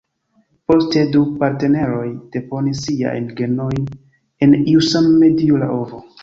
Poste, du partneroj deponis siajn genojn en iu sama medio, la ovo.